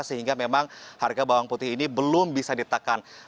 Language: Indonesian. sehingga memang harga bawang putih ini belum bisa ditekan